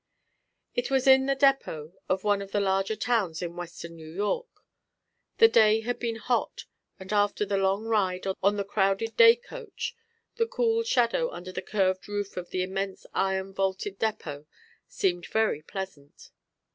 It was in the depot of one of the larger towns in western New York. The day had been hot and after the long ride on the crowded day coach the cool shadow under the curved roof of the immense iron vaulted depot seemed very pleasant.